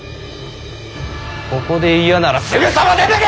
ここで嫌ならすぐさま出ていけ！